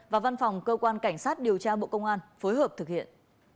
và văn phòng cơ quan cảnh sát điều tra bộ công an phối hợp thực hiện